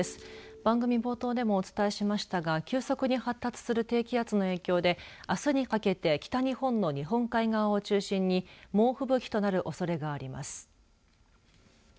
番組冒頭でもお伝えしましたが急速に発達する低気圧の影響であすにかけて北日本の日本海側を中心に猛吹雪となるおそれがあります。